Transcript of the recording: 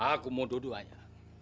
aku mau dua duanya